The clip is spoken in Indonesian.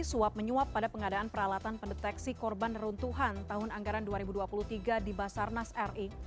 suap menyuap pada pengadaan peralatan pendeteksi korban neruntuhan tahun anggaran dua ribu dua puluh tiga di basarnas ri